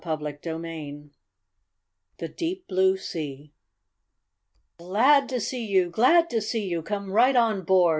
CHAPTER XII THE DEEP BLUE SEA "Glad to see you! Glad to see you! Come right on board!"